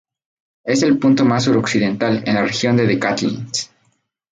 Es el punto más suroccidental de la región de The Catlins.